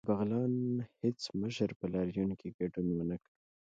د بغلان هیڅ مشر په لاریون کې ګډون ونکړ